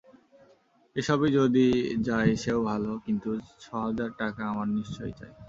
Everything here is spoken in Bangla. এ-সবই যদি যায় সেও ভালো, কিন্তু ছ হাজার টাকা আমার নিশ্চয়ই চাই।